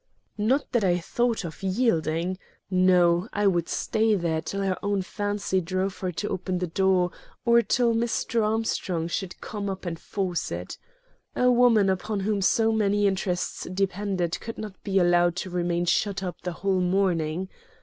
Not that I thought of yielding. No, I would stay there till her own fancy drove her to open the door, or till Mr. Armstrong should come up and force it. A woman upon whom so many interests depended would not be allowed to remain shut up the whole morning.